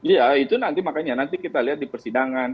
ya itu nanti makanya nanti kita lihat di persidangan